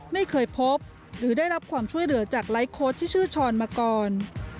ไม่เคยพบหรือได้รับความช่วยเหลือจากไลฟ์โค้ชที่ชื่อช้อนมาก่อน